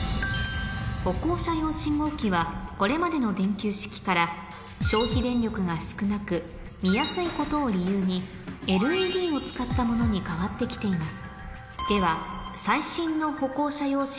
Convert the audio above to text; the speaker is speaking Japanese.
歩行者用信号機はこれまでの電球式からことを理由にＬＥＤを使ったものに変わってきています